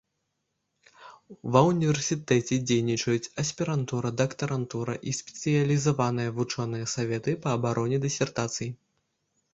Ва ўніверсітэце дзейнічаюць аспірантура, дактарантура і спецыялізаваныя вучоныя саветы па абароне дысертацый.